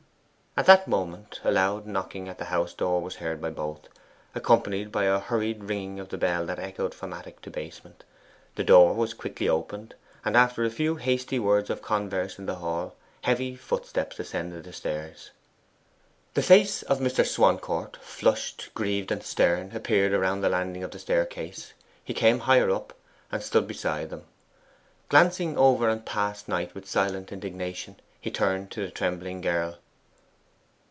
At that moment a loud knocking at the house door was heard by both, accompanied by a hurried ringing of the bell that echoed from attic to basement. The door was quickly opened, and after a few hasty words of converse in the hall, heavy footsteps ascended the stairs. The face of Mr. Swancourt, flushed, grieved, and stern, appeared round the landing of the staircase. He came higher up, and stood beside them. Glancing over and past Knight with silent indignation, he turned to the trembling girl.